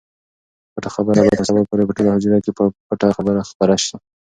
پټه خبره به تر سبا پورې په ټوله حجره کې په پټه خپره شي.